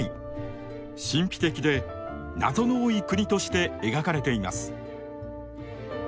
神秘的で謎の多い国として描かれています。